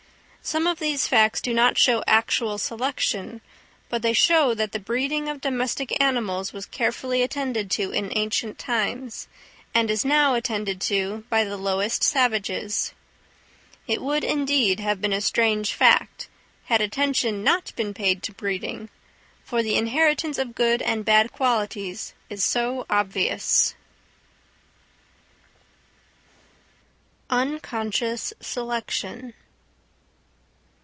Some of these facts do not show actual selection, but they show that the breeding of domestic animals was carefully attended to in ancient times, and is now attended to by the lowest savages. It would, indeed, have been a strange fact, had attention not been paid to breeding, for the inheritance of good and bad qualities is so obvious. _Unconscious Selection.